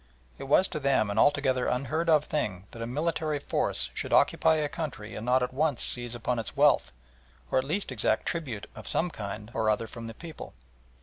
It was to them an altogether unheard of thing that a military force should occupy a country and not at once seize upon its wealth, or at least exact tribute of some kind or other from the people.